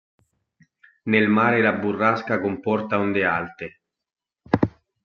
Nel mare la burrasca comporta onde alte.